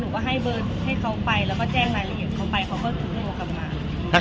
ว่าให้เบอร์ให้เขาไปแล้วก็แจ้งรายละเอียดเขาไปเขาก็ถือโทรกลับมา